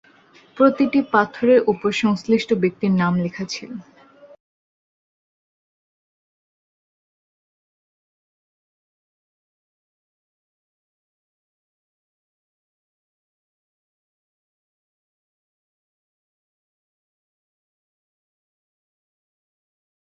প্রতিটি পাথরের উপর সংশ্লিষ্ট ব্যক্তির নাম লেখা ছিল।